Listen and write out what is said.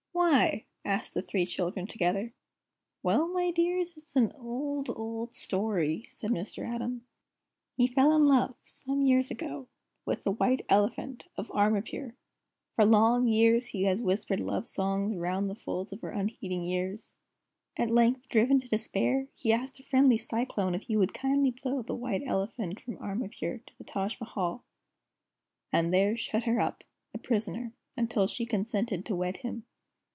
"Why?" asked the three children together. "Well, my dears, it's the old, old story," said Mr. Atom. "He fell in love, some years ago, with the White Elephant of Amrapure. For long years he has whispered love songs round the folds of her unheeding ears. At length, driven to despair, he asked a friendly Cyclone if he would kindly blow the White Elephant from Amrapure to the Taj Mahal, and there shut her up, a prisoner, until she consented to wed him.